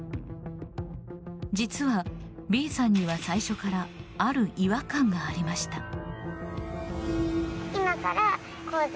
実は、Ｂさんには最初からある違和感がありました。